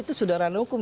itu sudah ranah hukum